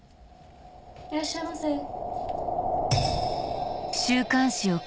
いらっしゃいませ。